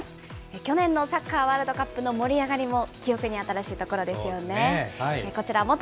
去年のサッカーワールドカップの盛り上がりも記憶に新しいところですよね。